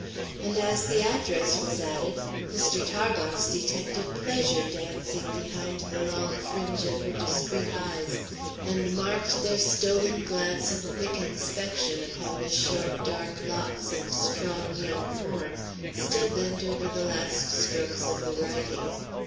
And as the address was added, Mr. Tarbox detected pleasure dancing behind the long fringe of her discreet eyes, and marked their stolen glance of quick inspection upon the short, dark locks and strong young form still bent over the last strokes of the writing.